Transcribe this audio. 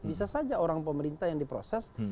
bisa saja orang pemerintah yang diproses